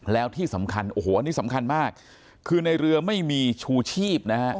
แล้วที่สำคัญโอ้โหอันนี้สำคัญมากคือในเรือไม่มีชูชีพนะฮะ